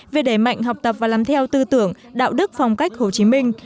về đẩy mạnh học tập và làm theo tư tưởng đạo đức phong cách hồ chí minh